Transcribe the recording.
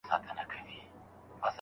د لویې جرګي ګډونوال چېرته اوسیږي؟